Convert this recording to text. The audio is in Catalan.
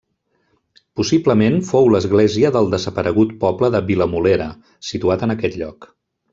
Possiblement fou l'església del desaparegut poble de Vilamolera, situat en aquest lloc.